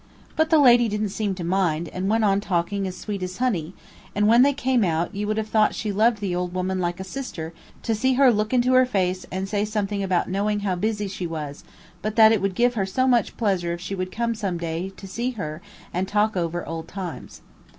But the lady didn't seem to mind, but went on talking as sweet as honey, and when they came out, you would have thought she loved the old woman like a sister to see her look into her face and say something about knowing how busy she was, but that it would give her so much pleasure if she would come some day to see her and talk over old times.